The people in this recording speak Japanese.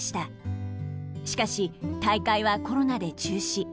しかし大会はコロナで中止。